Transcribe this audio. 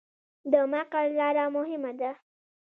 د مقر لاره مهمه ده